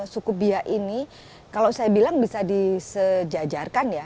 suku biak ini kalau saya bilang bisa disejajarkan ya